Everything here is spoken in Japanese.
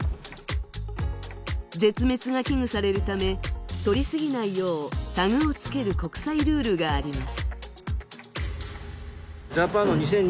絶滅が危惧されるため、取りすぎないようタグをつける国際ルールがあります。